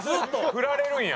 振られるんや。